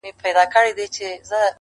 وو حاکم مګر مشهوره په امیر وو،